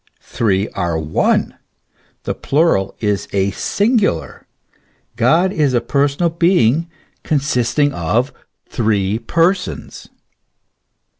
Three are one : the plural is a singular. God is a per sonal being consisting of three persons.